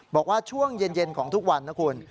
บอกว่าช่วงเย็นของทุกวันนะคุณ